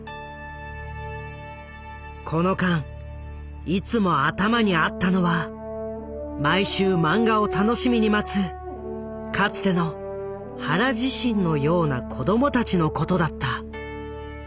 この間いつも頭にあったのは毎週漫画を楽しみに待つかつての原自身のような子供たちのことだった。